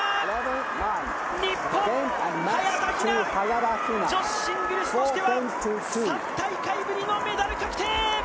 日本、早田ひな女子シングルスとしては３大会ぶりのメダル確定！